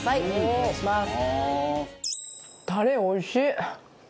お願いします！